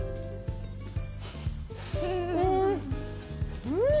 うんうん！